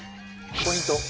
ポイント